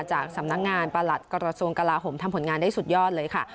จากสำนักงานประหลัดกระทรวงกลาโหมทำผลงานได้สุดยอดเลยค่ะ